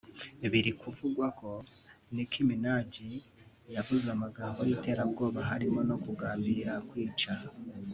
biri kuvugwa ko Nicki Minaj yavuze amagambo y’iterabwoba harimo no kugambira kwica